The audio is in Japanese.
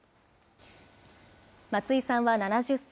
松井さんは７０歳。